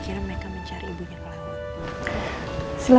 akhirnya mereka mencari ibunya ke laut